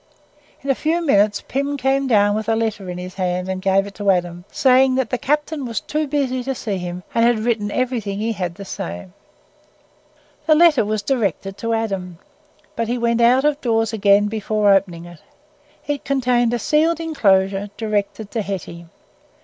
In a few minutes Pym came down with a letter in his hand and gave it to Adam, saying that the captain was too busy to see him, and had written everything he had to say. The letter was directed to Adam, but he went out of doors again before opening it. It contained a sealed enclosure directed to Hetty.